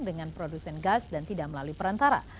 dengan produsen gas dan tidak melalui perantara